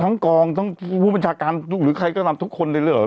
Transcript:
ทั้งกองผู้บัญชาการหรือใครก็รับทุกคนเลยหรือ